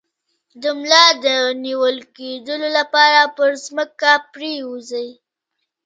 د ملا د نیول کیدو لپاره په ځمکه پریوځئ